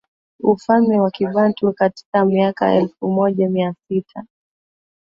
ufalme wa Kibantu katika miaka elfu moja Mia sita